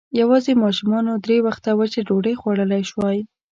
يواځې ماشومانو درې وخته وچه ډوډۍ خوړلی شوای.